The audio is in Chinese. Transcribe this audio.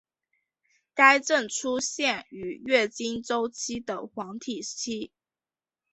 该症出现于月经周期的黄体期。